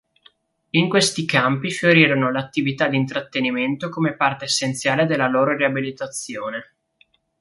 In questi campi fiorirono le attività di intrattenimento come parte essenziale della loro riabilitazione.